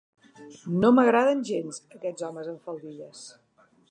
No m'agraden gens, aquests homes amb faldilles.